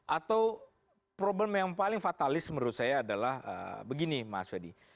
atau problem yang paling fatalis menurut saya adalah begini mas fedy